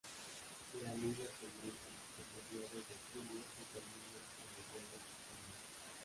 La liga comienza a mediados de julio y termina a mediados de junio.